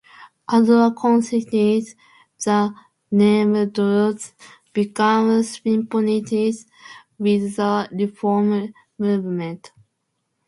As a consequence, the name "Druze" became synonymous with the reform movement.